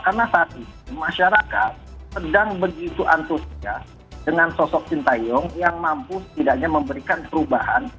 karena saat ini masyarakat sedang begitu antusias dengan sosok cintayong yang mampu setidaknya memberikan perubahan